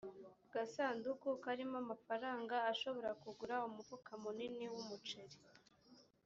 gasanduku karimo amafaranga ashobora kugura umufuka munini w umuceri